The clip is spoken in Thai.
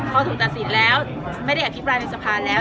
พอถูกตัดสินแล้วไม่ได้อภิกษ์ปลายในสะพานแล้ว